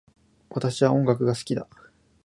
私は音楽が大好きだ